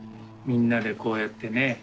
みんなでこうやってね。